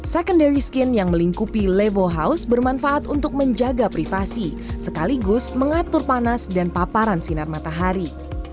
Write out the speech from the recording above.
secondary skin yang melingkupi levo house bermanfaat untuk menjaga privasi sekaligus mengatur panas dan paparan sinar matahari